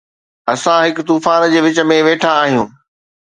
اسان هڪ طوفان جي وچ ۾ ويٺا آهيون